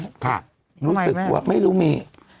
นะครับผมรู้สึกว่าไม่รู้มี